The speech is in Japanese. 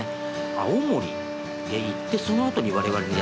青森へ行ってそのあとに我々にやって来た。